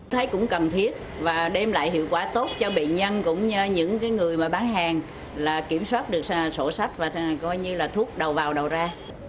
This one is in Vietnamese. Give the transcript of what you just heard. thấy cũng cần thiết và đem lại hiệu quả tốt cho bệnh nhân cũng như những người bán hàng kiểm soát được sổ sách và thuốc đầu vào đầu ra